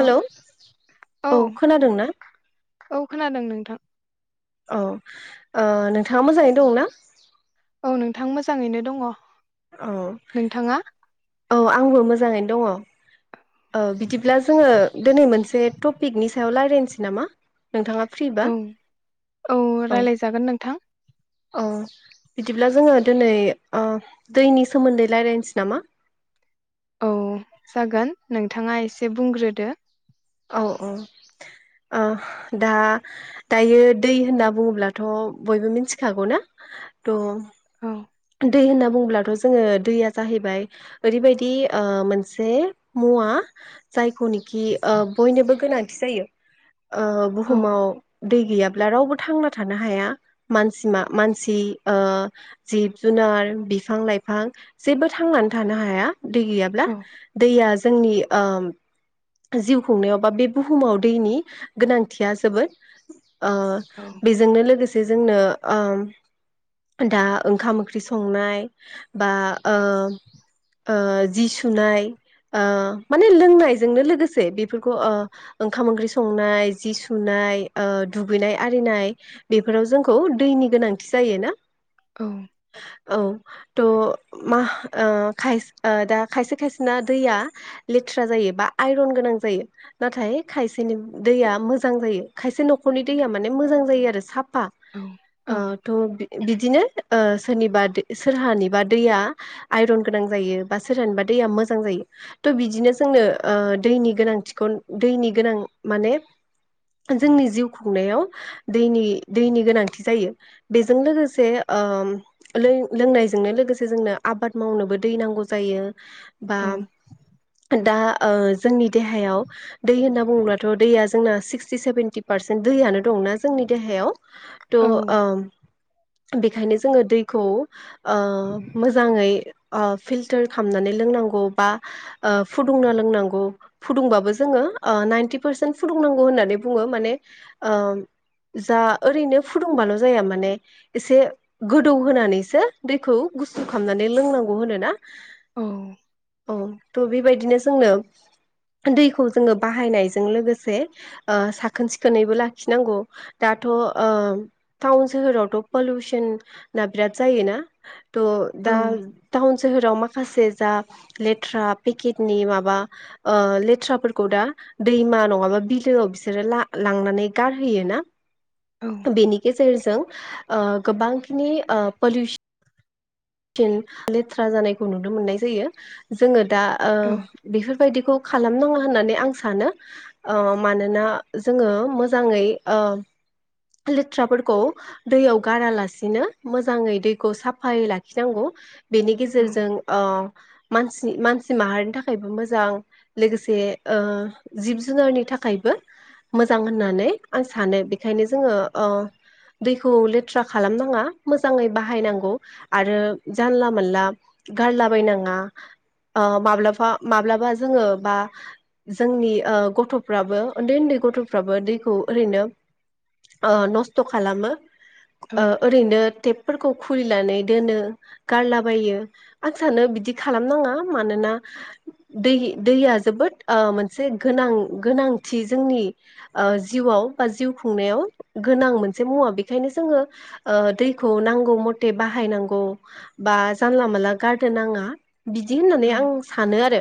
Hello औ खोनादों ना औ खोनादों नोंथां औ नोंथाङा ओ मोजाङै दङोना नोंथा मोजाङैनो दङ । औ औ आंबो मोजाङैनो दङ ओ बिदिब्ला जोङो दिनै मोनसे टपिकनि सायाव लाय दोनसै नामा । औ औ रायलायजागोन नोंथां । अ बिदिब्ला जोङो दिनै दैनि सोमोन्दै रायलायनोसै नामा औ जागोन नोंथाङा एसे बुंग्रोदो । औ औ ओ दा दायो दै होनना बुङोब्लाथ बयबो मिथिखागौना थ औ दै होनना बुङोब्लाथ जोङो दैया जाहैबाय ओरैबायदि मोनसे मुवा जायखौनोखि बयनोबो गोनांथि जायो । ओ औ बुहुमाव दै । गैयाब्ला रावबो थांना थानो हाया मानसि मानसि । जिब जुनार बिफां लाइफां जेबो थांनानै थानो हाया दै गैयाब्ला औ दैया जोंनि ओ जिउ खुंनायाव बा बे बुहुमाव दैनि गोनांथिया जोबोद ओ औ बेजोंनो लोगोसे जोंनो ओ दा ओंखाम ओंख्रि संनाय बा ओ ओ जि सुनाय माने लोंनायजोंनो लोगोसे बेफोरखौ ओंखाम ओंख्रि संनाय जि सुनाय दुगैनाय आरिनाय बेफोराव जोंखौ दैनि गोनांथि जायो ना । औ औ थ मा ओ दा खायसे खायसेना दैया लेथ्रा जायो । बा आइरन गोनां जायो नाथाय खायसेनि दैया मोजां जायो । खायसे नखरनि दैया माने मोजां जायो आरो साब औ औ थ बिदिनो सोरनिबा सोरहानिबा दैया आइरन गोनां जायो बा सोरहानिबा दैया मोजां जायो थ बिदिनो जोंनो दैनि गोनांथिखौ दैनि गोना माने जोंनि जिउ खुंनायाव दैनि दैनि गोनांथि जायो बेजों लोगोसे ओम लोंनायजोंनो लोगोसे जोंनो आबाद मावनोबो दै नांगौ जायो । बा औ दा ओ जोंनि देहायाव दै होनना बुङोब्लाथ' दैया जोंना सिक्सटि सेभेेनटि पारसेन्ट दैयानो दंना जोंनि देहायाव। त' ओ औ बेखायनो जोङो दैखौ ओ मोजाङै ओ फिल्टार खालामनानै लोंनांगौ बा ओ फुदुंना लोंनांगौ । फुदुंबाबो जोङो ओ नाइन्टि पारसेन्ट फुदुंनांगौ होननानै बुङो ।माने ओ जा ओरैनो फुदुंबाल' जाया माने एसे गोदौ होनानैसो दैखौ गुसु खालामनानै लोंनांगौ होनोना। औ [inaudible] औ थ' बेबायदिनो जोंनो दैखौ जोङो बाहायनायजों लोगोसे ओ साखोन सिखोनैबो लाखिनांगौ दाथ' ओ टाउन सोहोरावथ' पलिउसना बिराद जायोना थ' दा औ टाउन सोहोराव मा खासे जा लेथ्रा पेकेटनि माबा ओ लेथ्राफोरखौ दा दैमा नङाबा बिलोआव बिसोरो ला-लांनानै गारहोयो ना बेनि गेजेरजों [unintelligible] ओ गोबांखिनि ओ पलिउसनन लेथ्रा जानायखौ नुनो मोननाय जायो जोङो दा ओ बेफोरबायदिखौ खालाम नङा होननानै आं सानो ओ मानोना जोङो मोजाङै ओ लेथ्राफोरखौ दैयाव गारालासिनो मोजाङै दैखौ साफायै लाखिनांगौ। बेनि गेजेरजों ओ मानसि मानसि माहारिनि थाखायबो मोजां लोगोसे ओ जिब जुनारनि थाखायबो मोजां होननानै आं सानो बेखायनो जोङो ओ दैखौ लेथ्रा खालामनाङा मोजाङै बाहायनांगौ आरो जानला मोनला गारलाबायनाङा ओ माब्लाबा माब्लाबा जोङो बा जोंनि ओ गथ'फ्राबो उन्दै उन्दै गथ'फ्राबो दैखौ ओरैनो ओ नस्थ' खालामो। औ ओ ओरैनोे फोरखौ खुलिनानै दोनो गारलाबायो आं सानो बिदि खालामनाङा मानोना दैनि दैया जोबोद ओ मोनसे गोनां गोनांथि जोंनि ओ जिउआव बा जिउ खुंनायाव गोनां मोनसे मुवा बे खायनो जोङो ओ दैखौ नांगौ मथे बाहायनांगौ बा जानला मानला गारद नाङा। बिदि होननानै आं सानो आरो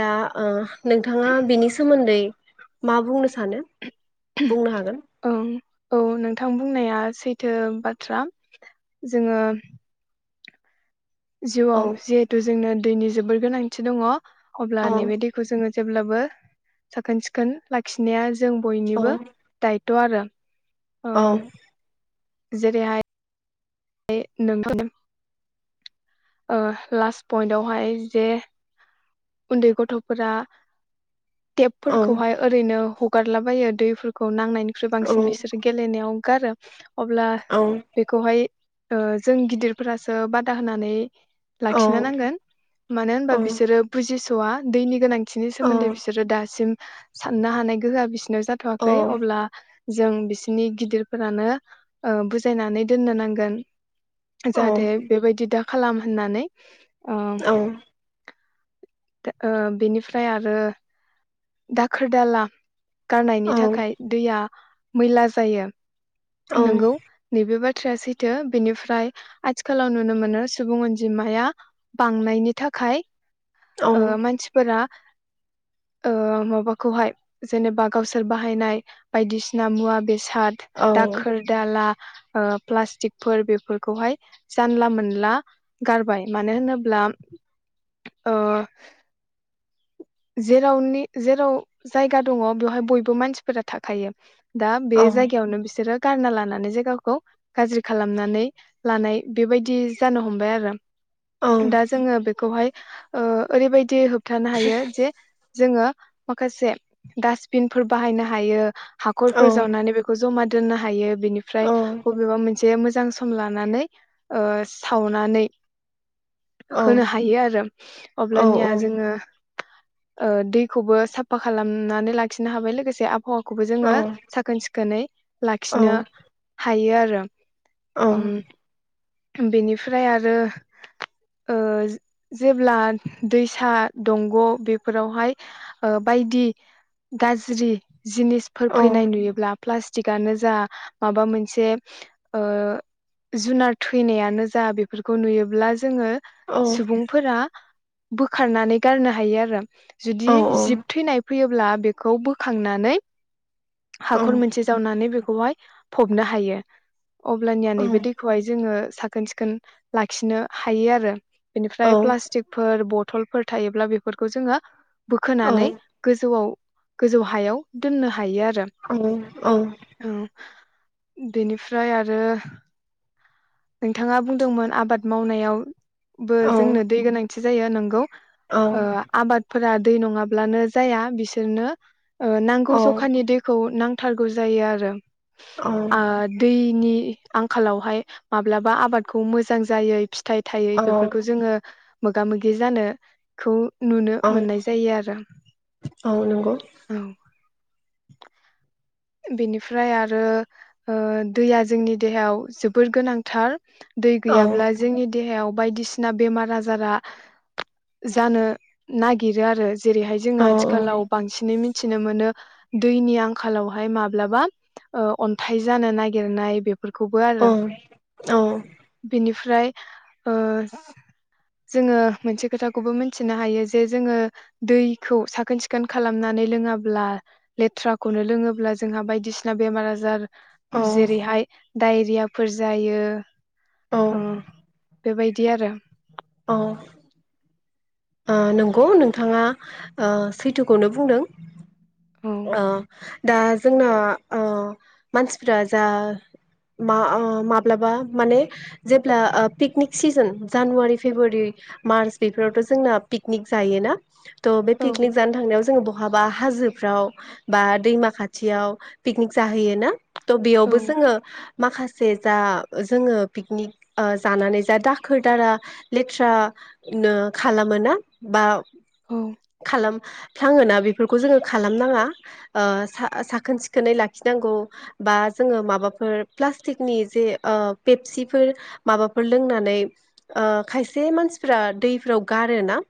दा ओ नोंथाङा बिनि सोमोन्दै मा बुंनो सानो? बुंनो हागोन औ औ नोंथां बुंनाया। सैथो बाथ्रा जोङो औ जिउआव जिहेथु जोंनो दैनि जोबोर गोनांथि दङ अब्ला औ नैबे दैखौ जोङो जेब्लाबो साखोन सिखोन लाखिनाया जों औ बयनिबो दाय थ आरो ओ औ जेरैहाय नों [unintelligible] पइन्टआवहाय जे उन्दै गथ'फोरा टेप औ फोरफोरखौहाय ओरैनो ह ुगारलाबायो दैफोरखौ नांनायनि ख्रु औ बांसिन बिसोर गेलेनायाव गारो अब्ला औ बेखौहाय ओ जों गिदिरफोरासो बादा होनानै लाखिनो नांगोन मानो होनबा औ बिसोरो सौआ दैनि गोनां थिनि सोमोन्दै बिसोरो दासिम साननो हानाय गोहोआ बिस नो औ जाथ'वाखै अब्ला जों बिसिनि गिदिरफोरानो ओ बुजायनानै दोननो नांगोन। औ जाहाथे बेबायदि दा खालाम होननानै। औ। ओ‌ बेनिफ्राय आरो दाखोर दाला गारनायनि थाखाय दैया मैला जायो। औ नोंगौ नैबे बाद थ्राया सैथो बेनिफ्राय आथिखालाव नुनो मोनो सुबुं अनजिमाया बांनायनि थाखाय औ ओ मानसिफोरा ओ माबाखौहाय जेनेबा गावसोर बाहायनाय बायदिसिना मुवा बेसा साद दाखोर दाला ओ प्लास्टिकफोर बेफोरखौहाय जानला मोनला गारबाय मानो होनोब्ला ओ जेरावनि जेराव जायगा दङ बेवहाय बयबो मानसिफोरा थाखायो। दा बे जायगायावनो बिसोरो गारना लानानै जायगाखौ गाज्रि खालामनानै लानाय बेबायदि जानो हमबाय आरो। दा जोङो बेखौहाय औ ओरैबायदि होब थानो हायो जोङो माखासे डासबिनफोर बाहायनो हायो हाखरफोर जावनानै बेखौ ज'मा दोननो हायो। बेनिफ्राय बबेबा मोनसे मोजां मोजां सम लानानै ओ सावनानै होनो हायो आरो। अब्लानिया जोङो ओ दैखौबो साफा खालामनानै लाखिनो हाबाय लोगोसे आबहावा खौबो जो साखोन सिख खोनै लाखिनो हायो आरो। रो। औ। बेनिफ्राय आरो ओ जेब्ला दैसा दंग' बेफोरावहाय बायदि गाज्रि जिनिसफोर फैनाय नुयोब्ला प्लास नो जा माबा मोनसे ओ जुनार थैनायानो जा बेफोरखौ नुयोब्ला जोङो सुबुंफोरा बोखारनानै गारनो हायो आरो जुदि जिब थैनाय फैयो अब्ला बेखौ बोखांनानै हाखर मोनसे जावनानै बे खौहाय फबनो हायो अब्लानिया नैबो देखौ जोङो साखोन सिखोन लाखिनो हायो आरो बेनिफ्राय प्लास्टिकफोर बटलफोर थायोब्ला बेफोरखौ जोङो बोखोनानै गोजौआव [inaudible] औ औ औ बेनिफ्राय आरो नोंथाङा बुंदोंमोन आबाद मावनायाव बो जोंनो दै गोनां खाथि जायो नोंगौ ओ आबाद फोरा दै नङाब्लानो जाया बिसोरनो ओ नांगौ जखानि दैखौ नां थारगौ जायो आरो आ दैनि आंखालावहाय माब्लाबा आबादखौ मोजां जायै फिथ थाइ थायै बेफोरखौ जोङो मोगा मोगि जानोखौ नुनो मोननाय जायो आरो औ बेनिफ्राय आरो ओ दैया जोंनि देहायाव जोबोर गोनांथार दै गैयाब्ला जोंनि देहायाव बायदिसिना बेमार आजारा जानो नागिरो आरो जेरैहाय जोंङो आथिखालाव बांसिनै मोन मिथिनो मोनो दैनि आंखालाव हाय माब्लाबा अन्थाइ जानो नागिरनाय बेफ औ औ फ्राय ओ जो-जोङो मोनसे खोथाखौबो मिथिनो हायो जे जोङो दैखौ साखोन सिखोन खालामनानै लोङाब्ला लेथ्राखौनो लोङो अब्ला जोंहा बायदिसिना बेमार आजार जेरैहाय दायरियाफोर जायो औ बेबायदि आरो औ ओ नंगौ नोंथाङा सैथोखौनो बुंदों औ अ दा जोंना मानसिफ्रा जा मा माब्लाबा माने जेब्ला picnic season January February March बेफोरावथ' जोंना पिकनिक जायोना द बे औ पिकनिक जानो थांनायाव जोङो बहा बा हाजोफ्राव बा दैमा खाथियाव पिकनिक जाहैयो ना थ' औ बेयावबो जोङो माखास जे जा जोङो पिकनिक जानानै जा दाखोर दारा लेथ्रा नो खालामो ना बा औ खालाम फ्लाङोना बेफोरखौ जोङो खालामनाङा ओ साखोन सिखोनै लाखिनांगौ बा जोङो माबाफोर प्लास्टिकनि जे ओ पेपसिफोर माबाफोर लोंनानै खायसे मानसिफ्रा दैफोराव गारोना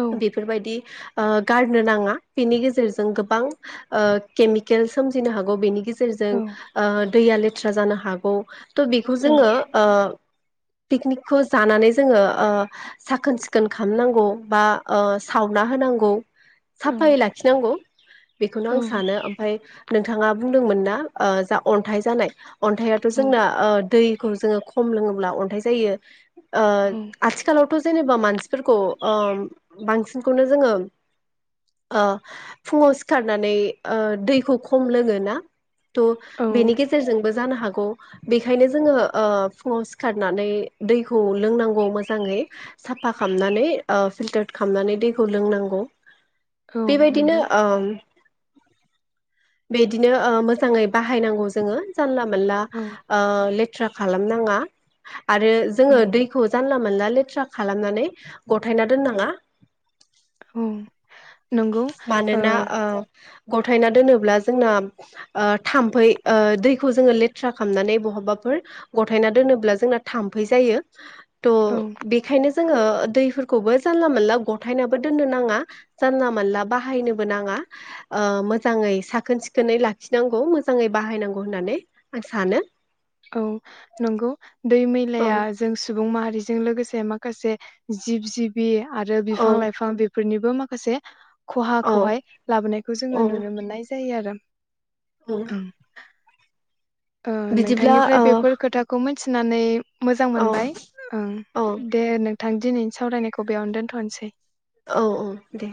औ बेफोरबायदि बा गारनो नाङा बेनि गेजेरजों गोब बां केमिकेल सोमजिनो हागौ बेनि गेजेर औ रजों दैया लेथ [inaudible] जानो हागौ थ बेखौ जोङो पिकनिकखौ जानानै जोङो साखोन सिखोन खालामनांगौ बा सावना होनांगौ औ साफायै लाखिनांगौ बेखौनो आं सानो ओमफ्राय नों नोंथाङा बुंदोंमोन ना जा अन्थाइ जानाय अन्थाइथ औ जोंना दै खौ जोङो खम लोङोब्ला अन्थाइ जायो ओ औ आथिखालाव थ जेनेबा मानसिफोरखौ ओम बांसिनखौनो जों ओ फुङाव सिखारनानै ओ दैखौ खम लोङोना? थ औ बेनि गेजेरजोंबो जानो हागौ। बेखायनो जोङो ओ फुङाव सिखारनानै दैखौ लोंनांगौ मोजाङै साफा खामनानै ओ फिलटार खालामनानै दैखौ लोंनांगौ। औ बेबायदिनो नोंगौ। ओम बिदिनो ओ मोजाङै बाहायनांगौ जोङो जानला माला औ ओ ले थ्रा खालामनाङा। आरो औ जोङो दैखौ जानला मोनला लेथ्रा खालामनानै गथायना दोननाङा। औ नंगौ मानोना ओ गथायना दोनोब्ला जोंना ओ थाम्फै दैखौ जोङो लेथ्रा खामनानै बहाबाफोर गथायना दोनोब्ला जोंना थाम्फै जायो। त औ बेखायनोज जोङो दैफोरखौबो जानला मोनला गथायनाबो दोननो नाङा। जानला मानला बाहायनोबो नाङा ओ मोजाङै साखोन सिखोनै लाखिनांगौ मोजाङै बाहायनांगौ होननानै आं सानो। औ नंगौ दै औ मैलाया जों सुबुं माहारिजों लोगोसे ए माखासे जिब जिबि आरो औ बिफां लाइफां बेफ फोरनिबो माखासे औ खहाखौहाय लाबोनायखौ औ जोङो नुनो मोननाय जायो आरो औ ओ बिदिब्ला नोंथांनिफ्राय औ बेफोर खोथाखौ मोन थिनानै मोजां औ मोनबाय ओं औ दे नोंथां दिनै सावरायनायखौ बेयावनो दोनथ'नोसै। औ औ दे।